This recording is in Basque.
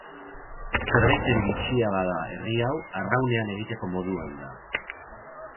Zerbaiten bitxia bada herri hau arraunean egiteko moduan da.